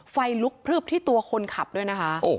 ไฟลุกพลึบที่ตัวคนขับด้วยนะคะ